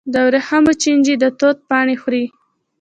د ورېښمو چینجي د توت پاڼې خوري.